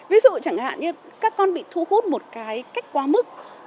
ví dụ chẳng hạn như các con bị thu hút một cái cách quá mức